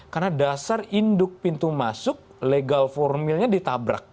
karena dasar induk pintu masuk legal formilnya ditabrak